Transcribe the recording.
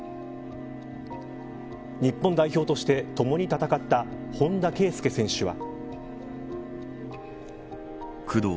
日本代表としてともに戦った本田圭佑選手は。